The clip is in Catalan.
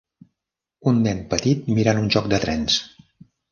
Un nen petit mirant un joc de trens.